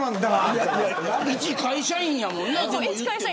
いち会社員やもんな。